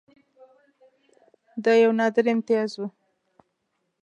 دا یو نادر امتیاز وو.